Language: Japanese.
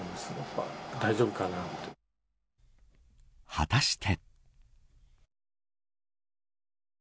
果たして。